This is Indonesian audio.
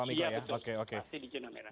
iya betul pasti di zona merah